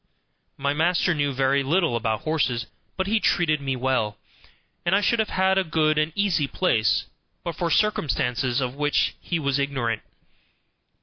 My master knew very little about horses, but he treated me well, and I should have had a good and easy place but for circumstances of which he was ignorant.